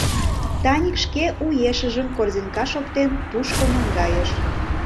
Даник шке у ешыжым корзинкаш оптен, тушко наҥгайыш.